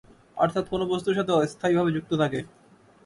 অর্থাৎ কোন বস্তুর সাথে স্থায়ীভাবে যুক্ত থাকে।